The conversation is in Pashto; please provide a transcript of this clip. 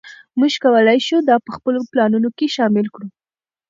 موږ کولی شو دا په خپلو پلانونو کې شامل کړو